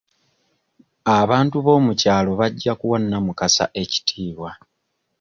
Abantu boomukyalo bajja kuwa Namukasa ekitiibwa.